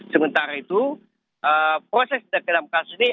sementara itu proses yang dikenal kasus ini